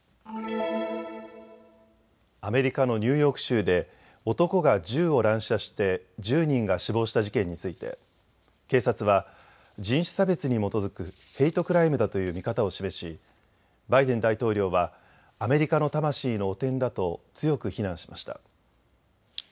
アメリカのニューヨーク州で男が銃を乱射して１０人が死亡した事件について警察は人種差別に基づくヘイトクライムだという見方を示しバイデン大統領はアメリカの魂の汚点だと強く非難しました。